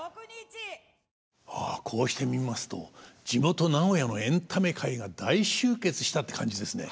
ああこうして見ますと地元名古屋のエンタメ界が大集結したって感じですね。